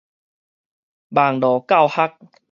網路教學